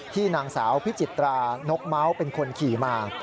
นางสาวพิจิตรานกเมาส์เป็นคนขี่มา